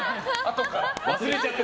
忘れちゃって。